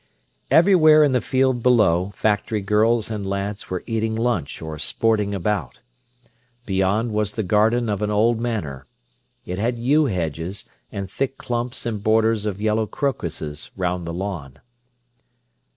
Everywhere in the field below, factory girls and lads were eating lunch or sporting about. Beyond was the garden of an old manor. It had yew hedges and thick clumps and borders of yellow crocuses round the lawn.